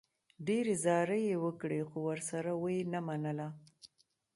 ډېرې زارۍ یې وکړې، خو ورسره و یې نه منله.